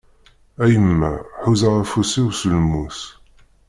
A yemma, ḥuzaɣ afus-iw s lmus!